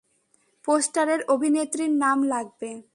পোস্টারের অভিনেত্রীর নাম লাগবে।